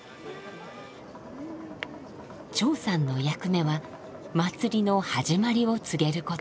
張さんの役目は祭りの始まりを告げること。